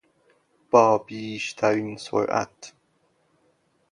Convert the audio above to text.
با بیشترین سرعت